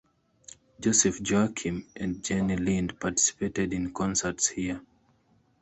Joseph Joachim and Jenny Lind participated in concerts here.